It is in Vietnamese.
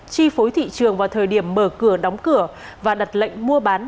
chi phối thị trường vào thời điểm mở cửa đóng cửa và đặt lệnh mua bán